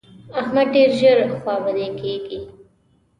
احمد ډېر ژر خوابدی کېږي.